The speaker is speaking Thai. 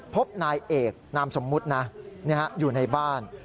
พบนายเอกนามสมมุตินะอยู่ในบ้าน